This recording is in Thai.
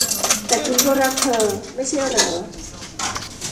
แต่คุณก็รักเธอ ไม่ใช่เหรอ ?